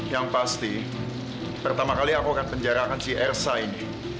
yang pasti pertama kali aku akan penjarakan si air sig